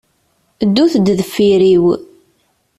Ddut-d deffir-iw.